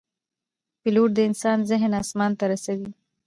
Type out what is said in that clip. پیلوټ د انسان ذهن آسمان ته رسوي.